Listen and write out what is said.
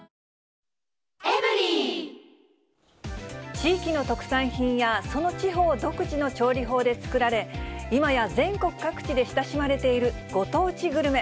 地域の特産品やその地方独自の調理法で作られ、今や全国各地で親しまれているご当地グルメ。